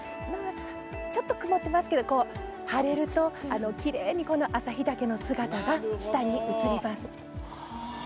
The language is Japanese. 曇ってますけど晴れると、きれいに旭岳の姿が下に映ります。